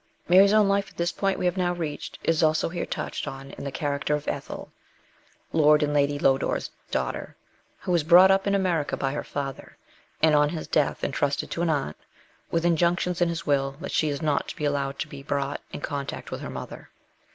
Mary's own life, at the point we have now reached, is also here touched on in the character of Ethel, Lord and Lady Lodore's daughter, who is brought up in America by her father, and on his death entrusted to an aunt, with injunctions in his will that she is not to be allowed to be brought in contact with her mother.